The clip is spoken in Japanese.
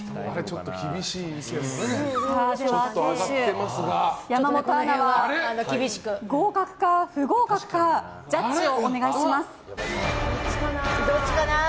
では党首、山本アナは合格か不合格かジャッジをお願いします。